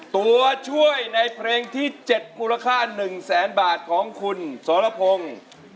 ตัวช่วยในเพลงที่๗มูลค่า๑แสนบาทของคุณสรพงศ์